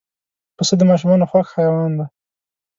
پسه د ماشومانو خوښ حیوان دی.